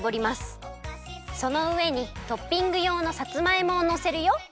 そのうえにトッピングようのさつまいもをのせるよ。